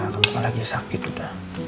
kamu lagi sakit udah